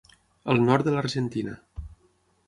Al nord de l'Argentina.